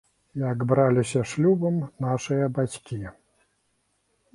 Як браліся шлюбам нашыя бацькі.